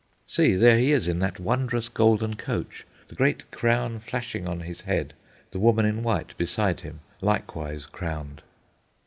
See, there he is, in that wondrous golden coach, the great crown flashing on his head, the woman in white beside him likewise crowned.